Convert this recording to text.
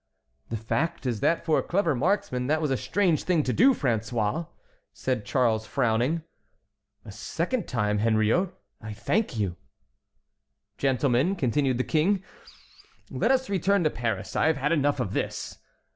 "The fact is that for a clever marksman that was a strange thing to do, François!" said Charles frowning. "A second time, Henriot, I thank you!" "Gentlemen," continued the King, "let us return to Paris; I have had enough of this."